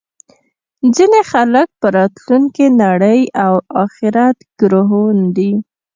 ځینې خلک په راتلونکې نړۍ او اخرت ګروهن دي